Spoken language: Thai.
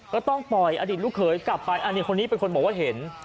ก็ต้องปล่อยอดีตลูกเขยกลับไปอันนี้คนนี้เป็นคนบอกว่าเห็น